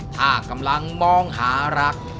ถ้ากำลังมองหารัก